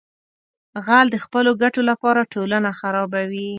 غل د خپلو ګټو لپاره ټولنه خرابوي